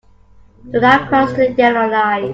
Do not cross the yellow line.